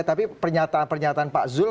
tapi pernyataan pernyataan pak zul